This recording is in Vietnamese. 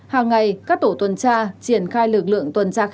hàng ngày các tổ tuần tra triển khai lực lượng tuần tra